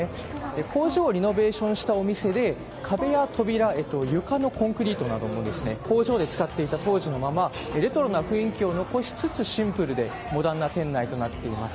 工場をリノベーションしたお店で壁や扉、床のコンクリートなども工場で使っていた当時のままレトロな雰囲気を残しつつシンプルでモダンな店内となっております。